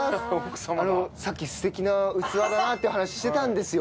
さっき素敵な器だなっていう話してたんですよ。